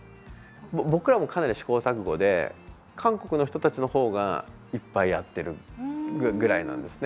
僕らも、かなり試行錯誤で韓国の人たちの方が、いっぱいやってるぐらいなんですね。